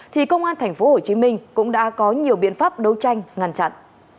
thì công an thành phố hồ chí minh cũng đã có nhiều biện pháp đấu tranh ngăn chặn